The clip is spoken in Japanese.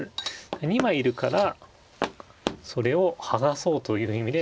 ２枚いるからそれを剥がそうという意味で。